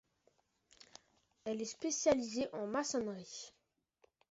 Elle est spécialisée en maçonnerie.